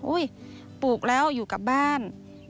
ปลูกแล้วอยู่กับบ้าน